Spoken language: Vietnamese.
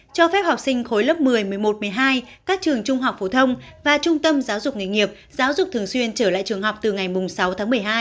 cho phép học sinh khối lớp một mươi một mươi một một mươi hai các trường trung học phổ thông và trung tâm giáo dục nghề nghiệp giáo dục thường xuyên trở lại trường học từ ngày sáu tháng một mươi hai